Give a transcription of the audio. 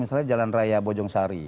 misalnya jalan raya bojong sari